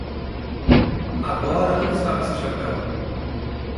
Agora onde estava esse chapéu?